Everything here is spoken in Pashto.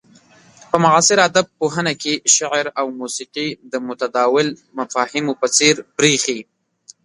په معاصر ادب پوهنه کې شعر او موسيقي د متداول مفاهيمو په څير بريښي.